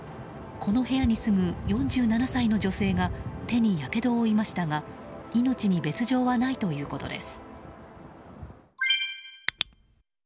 この部屋に住む４７歳の女性が手にやけどを負いましたが命に別条はないということです。